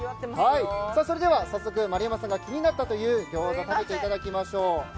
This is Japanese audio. それでは早速、丸山さんが気になったという餃子を食べていただきましょう。